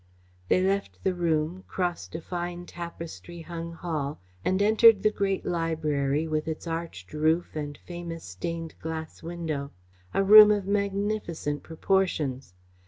They left the room, crossed a fine tapestry hung hall, and entered the great library with its arched roof and famous stained glass window; a room of magnificent proportions.